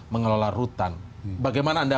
mengelola rutan bagaimana anda